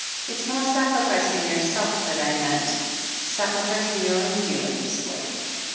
. it's more sacrificing yourself that I meant — sacrificing your own feelings, like."